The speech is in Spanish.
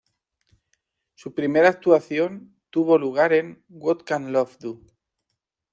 Su primera actuación tuvo lugar en "What Can Love Do".